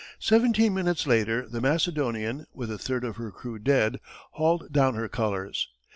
Seventeen minutes later, the Macedonian, with a third of her crew dead, hauled down her colors.